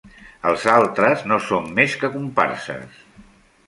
Els altres no són més que comparses.